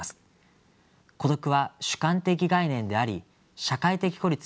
孤独は主観的概念であり社会的孤立は客観的概念です。